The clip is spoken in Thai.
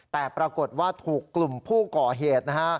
แต่ปรากฏว่าถูกกลุ่มผู้ก่อเหตุนะฮะ